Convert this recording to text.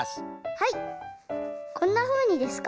はいこんなふうにですか？